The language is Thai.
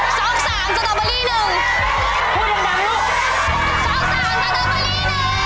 ทีม๑